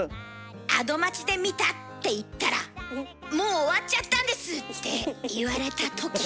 「『アド街』で見た」って言ったら「もう終わっちゃったんです」って言われたとき。